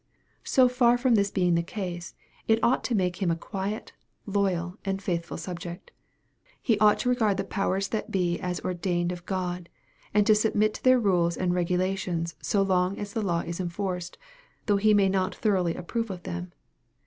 So far from this being the case it ought to make him a quiet, loyal, and faithful subject. He ought to regard the powers that be as " ordained of God," and to submit to their rules and regulations so long as the law is enforced, though he may not thoroughly approve of them.